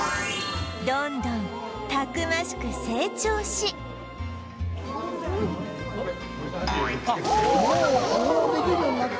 どんどんたくましく成長しあっ！